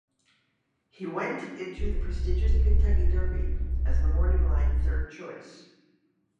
He went into the prestigious Kentucky Derby as the morning line third choice.